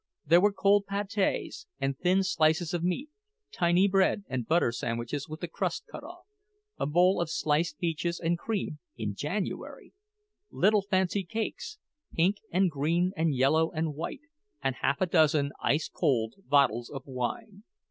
There were cold pates, and thin slices of meat, tiny bread and butter sandwiches with the crust cut off, a bowl of sliced peaches and cream (in January), little fancy cakes, pink and green and yellow and white, and half a dozen ice cold bottles of wine.